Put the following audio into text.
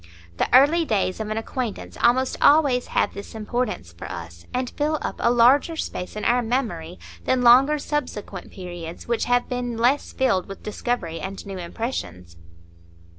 The early days of an acquaintance almost always have this importance for us, and fill up a larger space in our memory than longer subsequent periods, which have been less filled with discovery and new impressions.